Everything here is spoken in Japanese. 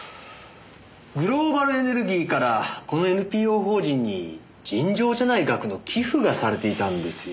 グローバルエネルギーからこのＮＰＯ法人に尋常じゃない額の寄付がされていたんですよ。